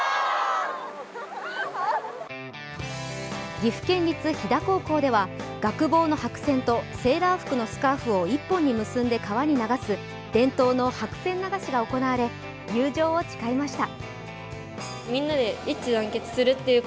岐阜県立斐太高校では学帽の白線とセーラー服のスカーフを１本に結んで流す伝統の白線流しが行われ友情を誓いました。